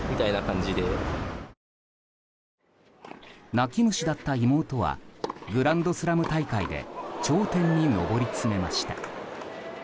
泣き虫だった妹はグランドスラム大会で頂点に上り詰めました。